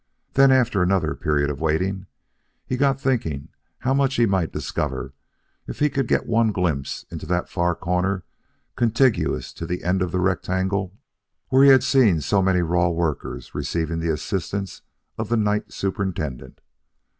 Then after another period of waiting, he got thinking how much he might discover if he could get one glimpse into that far corner contiguous to that end of the rectangle where he had seen so many raw workers receiving the assistance of the night superintendent.